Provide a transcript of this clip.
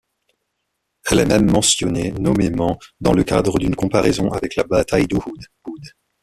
Elle est même mentionnée nommément dans le cadre d'une comparaison avec la bataille d'Uhud.